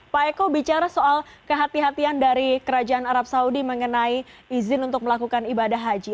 pak eko bicara soal kehatian kehatian dari kerajaan arab saudi mengenai izin untuk melakukan ibadah haji